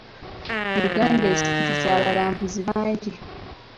Uganda esikiriza abalambuzi bangi.